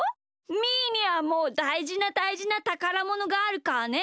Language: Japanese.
みーにはもうだいじなだいじなたからものがあるからね。